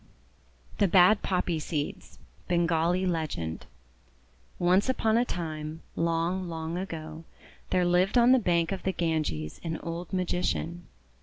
THE BAD POPPY SEEDS Bengali Legend ONCE upon a time, long, long ago, there lived on the bank of the Ganges an old Magician.